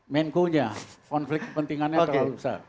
menko nya konflik kepentingannya terlalu besar